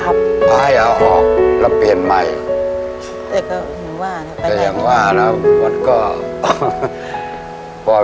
ทับผลไม้เยอะเห็นยายบ่นบอกว่าเป็นยังไงครับ